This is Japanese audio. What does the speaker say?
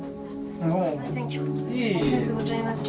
ありがとうございます。